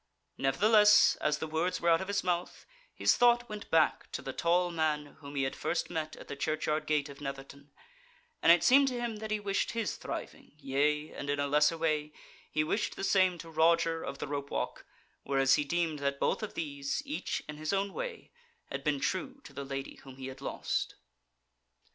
Nevertheless as the words were out of his mouth his thought went back to the tall man whom he had first met at the churchyard gate of Netherton, and it seemed to him that he wished his thriving, yea, and in a lesser way, he wished the same to Roger of the Rope walk, whereas he deemed that both of these, each in his own way, had been true to the lady whom he had lost.